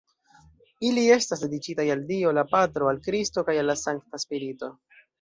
Ili estas dediĉitaj al Dio, la patro, al Kristo kaj al la Sankta Spirito.